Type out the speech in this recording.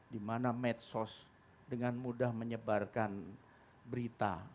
di mana medsos dengan mudah menyebarkan berita